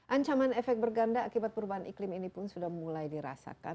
ancaman efek berganda akibat perubahan iklim ini pun sudah mulai dirasakan